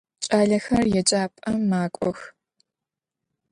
Кӏалэхэр еджапӏэм макӏох.